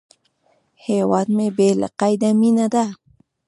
هیواد مې بې له قیده مینه ده